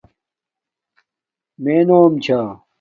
مݺ نݸم ـــــ چھݳ.